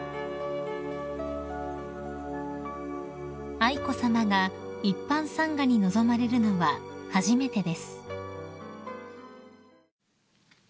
［愛子さまが一般参賀に臨まれるのは初めてです］